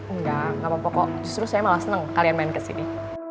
engga gapapa kok justru saya malah seneng kalian main kesini